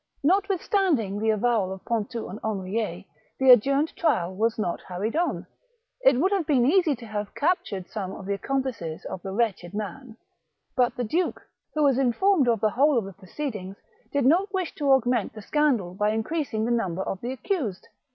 Notwithstanding the avowal of Pontou and Henriet, the adjourned trial was not hurried on. It would have been easy to have captured some of the accomplices of THE MARlfiCHAL DE RETZ. 225 the wretched man ; hut the duke, who was informed of the whole of the proceedings, did not wish to augment the scandal hy increasing the numher of the accused.